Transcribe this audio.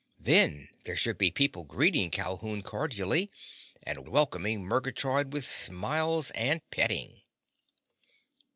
Then there should be people greeting Calhoun cordially and welcoming Murgatroyd with smiles and petting.